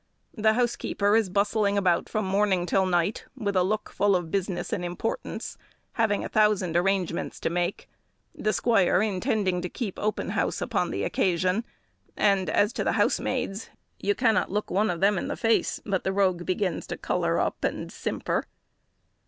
The housekeeper is bustling about from morning till night, with a look full of business and importance, having a thousand arrangements to make, the squire intending to keep open house on the occasion; and as to the housemaids, you cannot look one of them in the face, but the rogue begins to colour up and simper.